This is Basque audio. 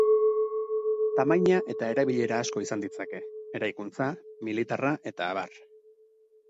Tamaina eta erabilera asko izan ditzake: eraikuntza, militarra eta abar.